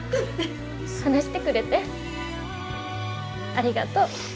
話してくれてありがとう。